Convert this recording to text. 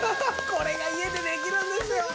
これが家でできるんですよ。